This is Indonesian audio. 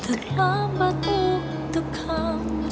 selamat untuk kamu